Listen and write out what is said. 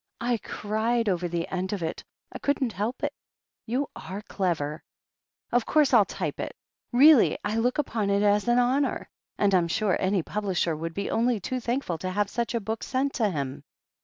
I cried over the end of it — I couldn't help it. You are clever ! Of course FU type it; really, I look upon it as an honour, and I'm sure any publisher would be only too thankful to have such a book sent to him.